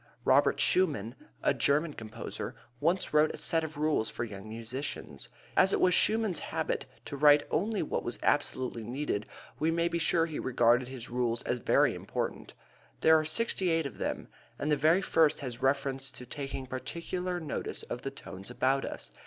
Robert Schumann, a German composer, once wrote a set of rules for young musicians. As it was Schumann's habit to write only what was absolutely needed we may be sure he regarded his rules as very important. There are sixty eight of them, and the very first has reference to taking particular notice of the tones about us.